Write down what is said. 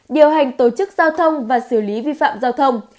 điều hành tổ chức giao thông và xử lý vi phạm giao thông